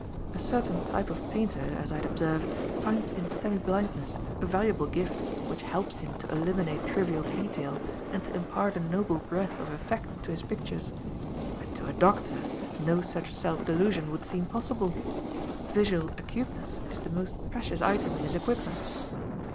A certain type of painter, as I had observed, finds in semi blindness a valuable gift which helps him to eliminate trivial detail and to impart a noble breadth of effect to his pictures; but to a doctor no such self delusion would seem possible. Visual acuteness is the most precious item in his equipment.